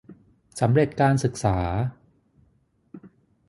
สำเร็จการศึกษา